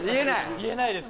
言えないです